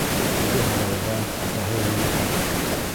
Үҙе һарайға, атаһы янына ҡайтып китә.